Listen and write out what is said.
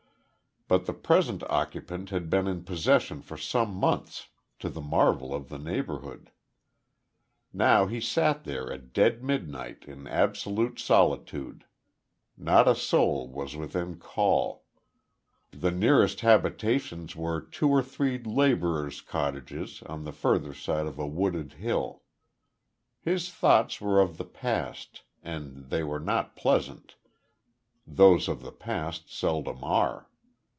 But the present occupant had been in possession for some months, to the marvel of the neighbourhood. Now he sat there at dead midnight in absolute solitude. Not a soul was within call; the nearest habitations were two or three labourers' cottages on the further side of a wooded hill. His thoughts were of the past, and they were not pleasant, those of the past seldom are.